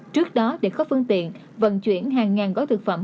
trước đó để có phương tiện vận chuyển hàng ngàn gói thực phẩm